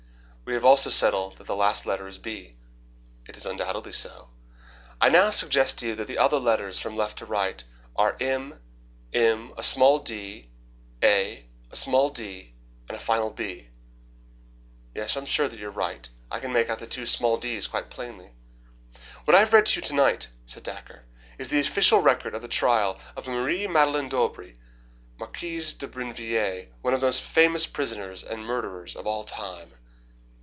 "We have also settled that the last letter is B." "It is undoubtedly so." "I now suggest to you that the other letters from left to right are, M, M, a small d, A, a small d, and then the final B." "Yes, I am sure that you are right. I can make out the two small d's quite plainly." "What I have read to you tonight," said Dacre, "is the official record of the trial of Marie Madeleine d'Aubray, Marquise de Brinvilliers, one of the most famous poisoners and murderers of all time."